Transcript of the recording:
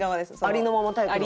ありのままタイプの子？